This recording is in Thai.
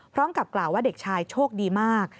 พร้อมกับกล่าวว่าเด็กชายโชคดีมาก